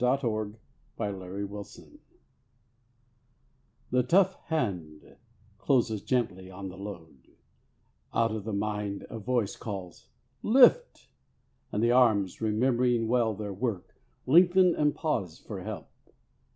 62 MAN CARRYING BALE r I ^HE tough hand closes gently on the load ; X Out of the mind, a voice Calls " Lift !" and the arms, remembering well their work, Lengthen and pause for help.